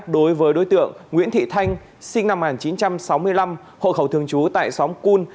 đối với đối tượng nguyễn thị thanh sinh năm một nghìn chín trăm sáu mươi năm hộ khẩu thường trú tại xóm cun